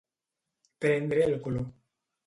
Prendre el color.